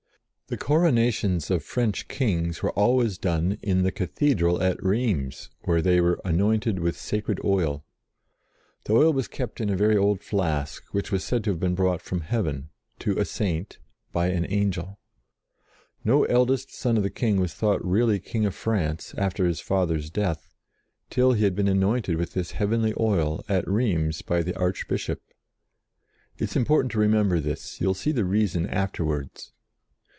The coro nations of French Kings were always done in the Cathedral at Rheims, where they were anointed with sacred oil. The oil was kept in a very old flask, which was said to have been brought from heaven, to a Saint, by an Angel. No eldest son of the King was thought really King of France, after his father's death, till he had been anointed with this heavenly oil at Rheims by the 4 JOAN OF ARC Archbishop. It is important to remember this; you will see the reason afterwards.